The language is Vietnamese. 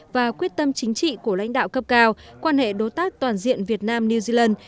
và quyết tâm chính trị của lãnh đạo cấp cao quan hệ đối tác toàn diện việt nam new zealand